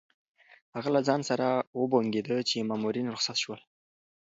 هغه له ځان سره وبونګېده چې مامورین رخصت شول.